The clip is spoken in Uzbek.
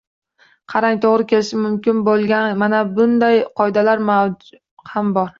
Qarang, to‘g‘ri kelishi mumkin bo‘lgan mana bunday qoida ham bor: